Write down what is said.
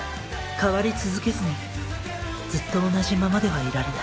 変わり続けずにずっと同じままではいられない。